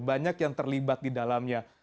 banyak yang terlibat di dalamnya